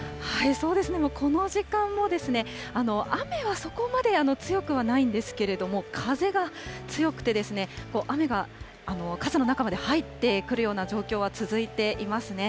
そうですね、もうこの時間も、雨はそこまで強くはないんですけれども、風が強くて、雨が傘の中まで入ってくるような状況は続いています。